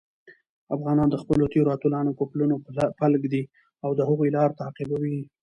افغانان د خپلو تېرو اتلانو په پلونو پل ږدي او د هغوی لاره تعقیبوي.